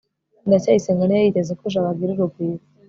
ndacyayisenga ntiyari yiteze ko jabo agira urugwiro